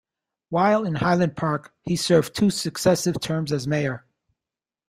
While in Highland Park he served two successive terms as mayor.